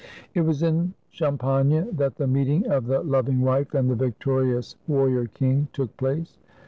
It was in Champagne that the meeting of the lov ing wife and the victorious warrior king took place.